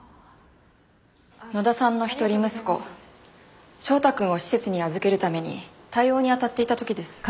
野田さんの一人息子翔太くんを施設に預けるために対応にあたっていた時です。